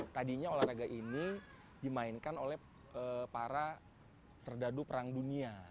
tadinya olahraga ini dimainkan oleh para serdadu perang dunia